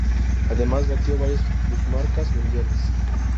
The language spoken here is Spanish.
Además batió varias plusmarcas mundiales.